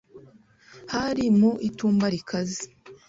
Hari mu itumba rikaze